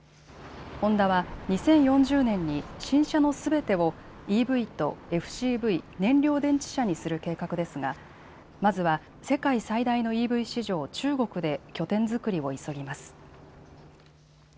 ホンダは２０４０年に新車のすべてをＥＶとＦＣＶ・燃料電池車にする計画ですがまずは世界最大のＥＶ市場、中国で拠点作りを急ぎます。